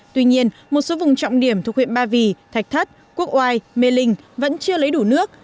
tuy nhiên một số vùng trọng điểm thuộc huyện ba vì thạch thất quốc oai mê linh vẫn chưa lấy đủ nước